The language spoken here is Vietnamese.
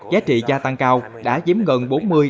giá trị gia tăng cao đã giếm gần bốn mươi năm mươi